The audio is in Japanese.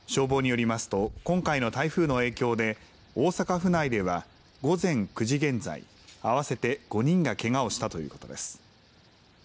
消防によりますと、今回の台風の影響で、大阪府内では午前９時現在、合わせて５人がけがをしたということです。